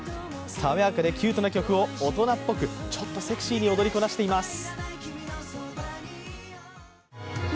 さわやかでキュートな曲を大人っぽく、ちょっとセクシーに踊りこなしています。